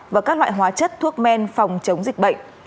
và các loại hóa chất thuốc men phòng chống dịch bệnh